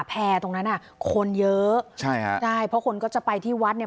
แพร่ตรงนั้นอ่ะคนเยอะใช่ฮะใช่เพราะคนก็จะไปที่วัดเนี่ย